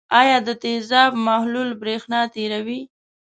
آیا د تیزاب محلول برېښنا تیروي؟